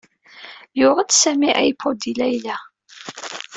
Yuɣ-d Sami iPod i Layla.